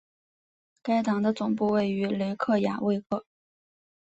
该党的总部位于雷克雅未克。